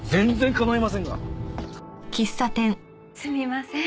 すみません